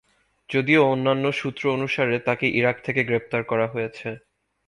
যদিও অন্যান্য সূত্র অনুসারে তাকে ইরাক থেকে গ্রেপ্তার করা হয়েছে।